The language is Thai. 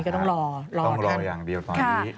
ต้องรออย่างเดียวตอนนี้